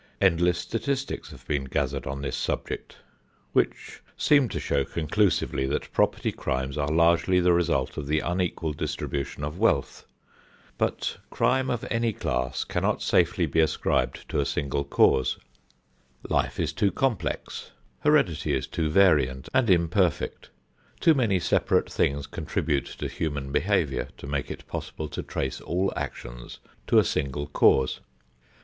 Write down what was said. Endless statistics have been gathered on this subject which seem to show conclusively that property crimes are largely the result of the unequal distribution of wealth. But crime of any class cannot safely be ascribed to a single cause. Life is too complex, heredity is too variant and imperfect, too many separate things contribute to human behavior, to make it possible to trace all actions to a single cause.